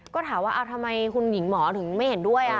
ก็ถามว่าทำไมคุณหญิงหมอถึงไม่เห็นด้วย